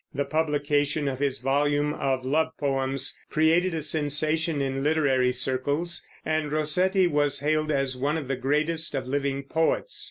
The publication of this volume of love poems created a sensation in literary circles, and Rossetti was hailed as one of the greatest of living poets.